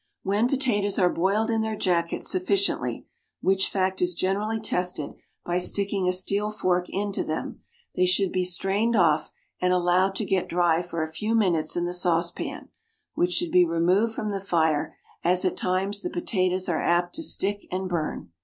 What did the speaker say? When potatoes are boiled in their jackets sufficiently, which fact is generally tested by sticking a steel fork into them, they should be strained off, and allowed to get dry for a few minutes in the saucepan, which should be removed from the fire, as at times the potatoes are apt to stick and burn.